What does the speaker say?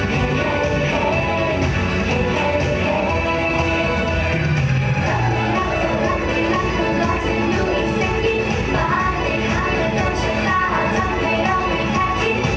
ช่างหลุมใจเราเราจะเป็นหนึ่งพันในวันหนึ่งวันเราสร้างเป็นเหมือน